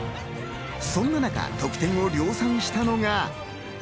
そんな中、得点を量産したのが。